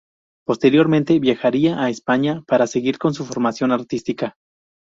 Posteriormente viajaría a España para seguir con su formación artística.